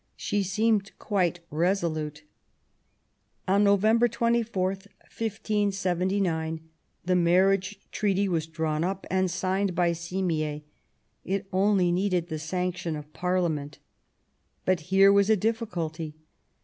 She seemed quite resolute. On November 24, 1579, the marriage treaty was drawn up and signed by Simier; it only needed the sanction of Parliament. But here was a difficulty.